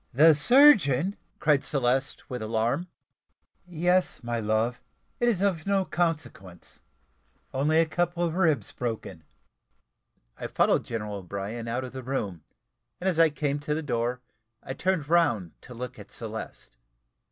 "The surgeon!" cried Celeste with alarm. "Yes, my love; it is of no consequence only a couple of ribs broken." I followed General O'Brien out of the room, and as I came to the door, I turned round to look at Celeste.